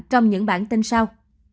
trong những bản tin sau